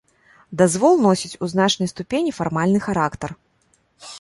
Дазвол носіць у значнай ступені фармальны характар.